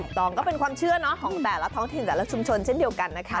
ก็เป็นความเชื่อของแต่ละท้องถิ่นแต่ละชุมชนเช่นเดียวกันนะคะ